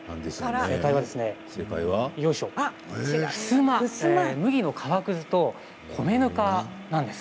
正解は「ふすま」麦の皮くずと、米ぬかなんです。